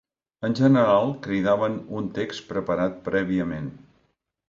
En general, cridaven un text preparat prèviament